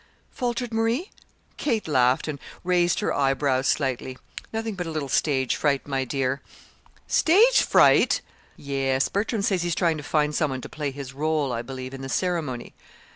faltered Marie. Kate laughed and raised her eyebrows slightly. "Nothing but a little stage fright, my dear." "Stage fright!" "Yes. Bertram says he's trying to find some one to play his rôle, I believe, in the ceremony."